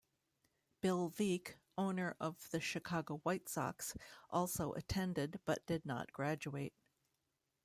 Bill Veeck, owner of the Chicago White Sox, also attended but did not graduate.